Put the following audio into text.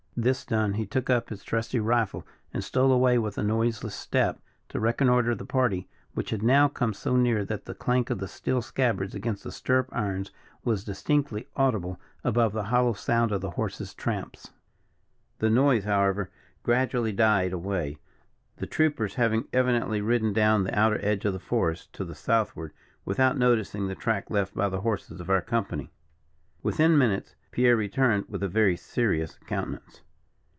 This done, he took up his trusty rifle, and stole away with a noiseless step to reconnoiter the party, which had now come so near that the clank of the steel scabbards against the stirrup irons was distinctly audible above the hollow sound of the horses' tramps. The noise, however, gradually died away, the troopers having evidently ridden down the outer edge of the forest to the Southward, without noticing the track left by the horses of our company. Within ten minutes, Pierre returned with a very serious countenance.